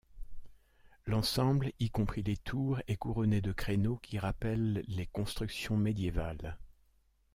L'ensemble, y compris les tours, est couronné de créneaux qui rappellent les constructions médiévales.